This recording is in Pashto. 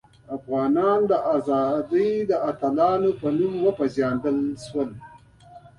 افغانان د ازادۍ د اتلانو په توګه وپيژندل شول.